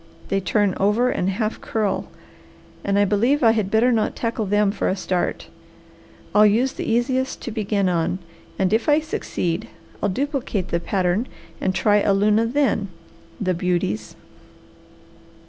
They turn over and half curl and I believe I had better not tackle them for a start. I'll use the easiest to begin on, and if I succeed I'll duplicate the pattern and try a luna then. The beauties!"